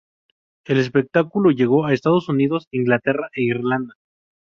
El espectáculo llegó a Estados Unidos, Inglaterra e Irlanda.